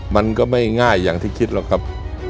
มันก็ไม่ง่ายอย่างที่คิดหรอกครับ